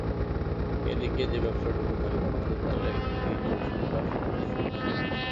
এ দিকে যে ব্যাবসাটুকু ধরে কোনোমতে তার দিন চলছিল তার সূত্র ছিন্ন হয়ে গেছে।